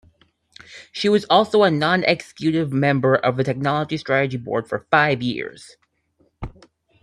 She was also a non-executive member of the Technology Strategy Board for five years.